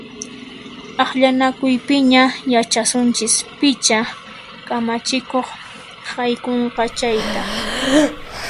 Akllanakuypiña yachasunchis picha kamachikuq haykunqa chayta!